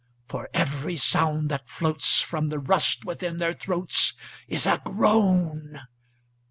For every sound that floatsFrom the rust within their throatsIs a groan.